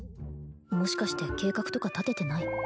もしかして計画とか立ててない？